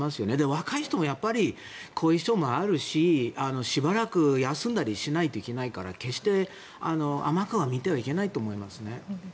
若い人もやっぱり後遺症もあるししばらく休んだりしないといけないから決して甘く見てはいけないと思いますね。